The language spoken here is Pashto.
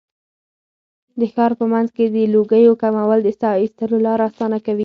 د ښار په منځ کې د لوګیو کمول د ساه ایستلو لاره اسانه کوي.